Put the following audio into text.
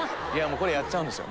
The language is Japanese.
これやっちゃうんですよ